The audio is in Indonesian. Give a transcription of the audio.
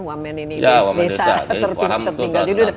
wamen ini desa tertinggal